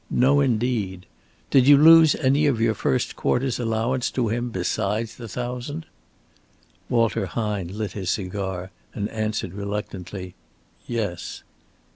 "No, indeed. Did you lose any of your first quarter's allowance to him besides the thousand?" Walter Hine lit his cigar and answered reluctantly: "Yes."